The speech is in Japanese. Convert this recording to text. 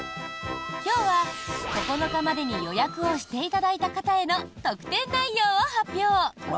今日は９日までに予約をしていただいた方への特典内容を発表！